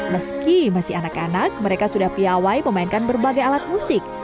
meski masih anak anak mereka sudah piawai memainkan berbagai alat musik